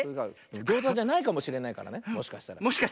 ギューザじゃないかもしれないからねもしかしたら。